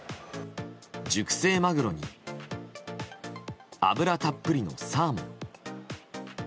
熟成マグロに脂たっぷりのサーモン。